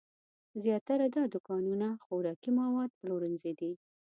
زیاتره دا دوکانونه خوراکي مواد پلورنځي دي.